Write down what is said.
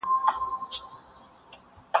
د هغې خندا زما زړه ته سکون ورکړ.